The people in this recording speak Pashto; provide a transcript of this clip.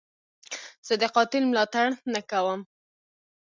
زه د قاتل ملاتړ نه کوم.